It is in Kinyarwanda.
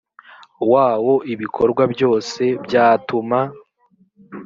wawo ibikorwa byose byatuma